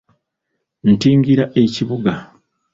Nntingira ekibuga.